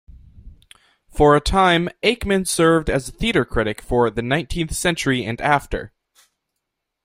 For a time, Aickman served as theatre critic for "The Nineteenth Century and After".